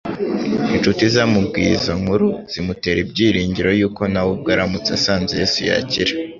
Inshuti zamubwiye izo nkuru, zimutera ibyiringiro yuko na we ubwe aramutse asanze Yesu yakira.